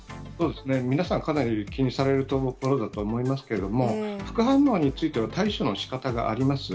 皆さん、かなり気にされるところだと思いますけれども、副反応については、対処のしかたがあります。